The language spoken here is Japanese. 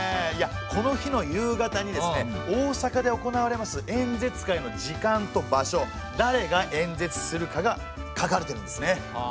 この日の夕方にですね大阪で行われます演説会の時間と場所だれが演説するかが書かれてるんですね。